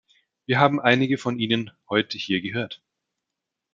Wir haben einige von ihnen heute hier gehört.